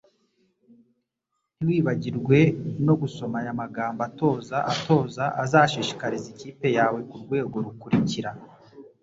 Ntiwibagirwe no gusoma aya magambo atoza atoza azashishikariza ikipe yawe kurwego rukurikira.